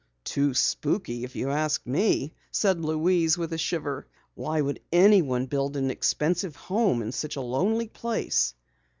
"Too spooky if you ask me," said Louise with a shiver. "Why would anyone build an expensive home in such a lonely place?"